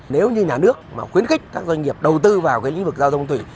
nếu như nhà nước khuyến khích các doanh nghiệp đầu tư vào lĩnh vực giao thông thủy